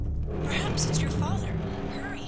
_] "Perhaps it's your father. Hurry!